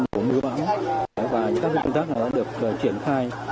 công tác này đã được triển khai